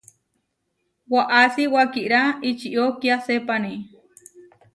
Waʼási wakirá ičió kiasépani.